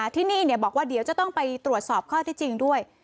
ที่นี่บอกว่าเดี๋ยวจะต้องไปตรวจสอบข้อที่จริงด้วย